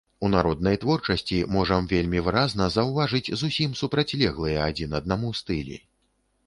У народнай творчасці можам вельмі выразна заўважыць зусім супрацьлеглыя адзін аднаму стылі.